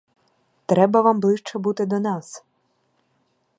Треба вам ближче бути до нас.